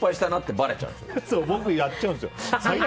僕、やっちゃうんですよ。